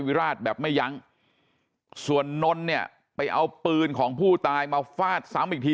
วิราชแบบไม่ยั้งส่วนนนท์เนี่ยไปเอาปืนของผู้ตายมาฟาดซ้ำอีกที